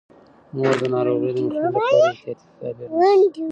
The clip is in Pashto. مور د ناروغۍ مخنیوي لپاره احتیاطي تدابیر نیسي.